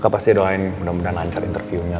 pasti doain mudah mudahan lancar interviewnya